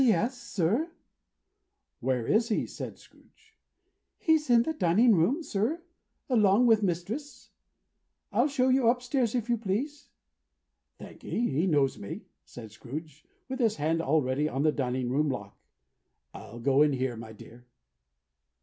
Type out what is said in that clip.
"Yes, sir." "Where is he?" said Scrooge. "He's in the dining room, sir, along with mistress. I'll show you up stairs, if you please." "Thank'ee. He knows me," said Scrooge, with his hand already on the dining room lock. "I'll go in here, my dear."